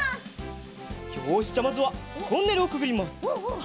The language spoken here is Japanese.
よしじゃあまずはトンネルをくぐります。